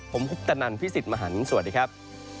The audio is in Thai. ผมคุปตะนันพี่สิทธิ์มหันฯสวัสดีครับ